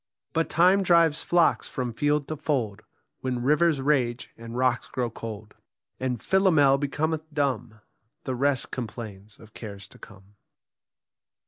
But Time drives flocks from field to fold, When rivers rage and rocks grow cold ; And Philomel becometh dumb ; The rest complains of cares to come.